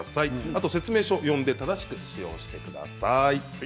あと説明書を読んで正しく使用してください。